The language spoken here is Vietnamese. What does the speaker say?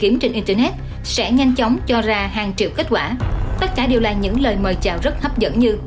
mời chào rất hấp dẫn như